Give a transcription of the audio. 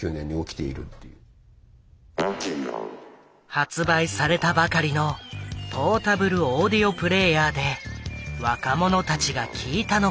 発売されたばかりのポータブルオーディオプレーヤーで若者たちが聴いたのがＹＭＯ。